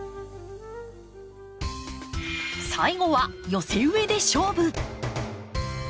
最後は寄せ植えで勝負！